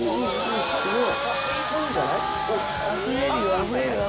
すごい！